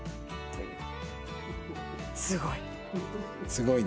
すごい！